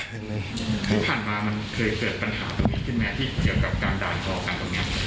ผ่านมามันเคยเกิดปัญหาตรงนี้ขึ้นไหมที่เกี่ยวกับการด่าเขา